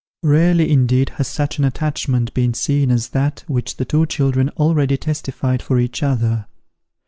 Rarely, indeed, has such an attachment been seen as that which the two children already testified for each other.